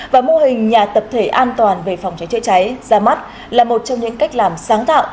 và mô hình nhà tập thể an toàn về phòng cháy chữa cháy ra mắt là một trong những cách làm sáng tạo